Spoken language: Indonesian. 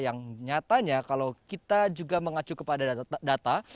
yang nyatanya kalau kita juga mengacu kepada data